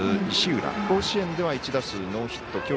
石浦、甲子園では１打数ノーヒット。